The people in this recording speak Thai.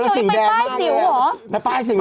เอาเสียงเขียวนี้เป็นป้ายสิวเหรอ